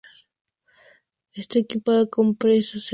Está equipada con presas y seguros.